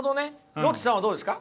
ロッチさんはどうですか？